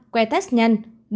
ba que test nhanh